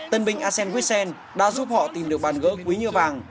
tân binh asen wissen đã giúp họ tìm được bàn gỡ quý như vàng